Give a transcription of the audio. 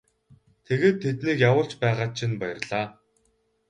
Тэгээд тэднийг явуулж байгаад чинь баярлалаа.